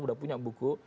sudah punya buku